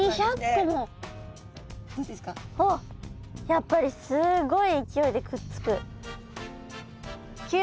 やっぱりすごい勢いでくっつく。